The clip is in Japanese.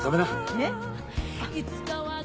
ねっ。